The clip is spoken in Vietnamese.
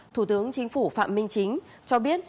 thủ tướng chính phủ phạm minh chính cho biết